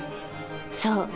そう。